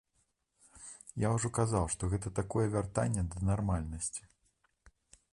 Я ўжо казаў, што гэта такое вяртанне да нармальнасці.